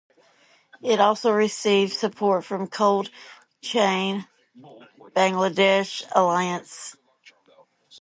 It also received support from Cold Chain Bangladesh Alliance.